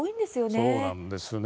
そうなんですよね。